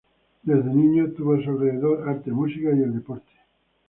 Desde niño tuvo a su alrededor arte, música y el deporte.